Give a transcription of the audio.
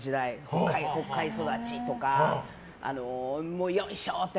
「北海育ち」とかよいしょ！って